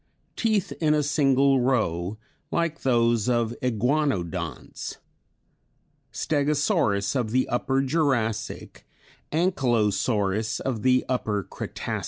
Teeth in a single row, like those of Iguanodonts. Stegosaurus of the Upper Jurassic, Ankylosaurus of the Upper Cretacic.